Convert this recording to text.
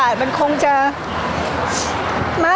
พี่ตอบได้แค่นี้จริงค่ะ